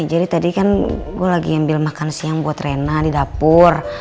tadi kan gue lagi ambil makan siang buat rena di dapur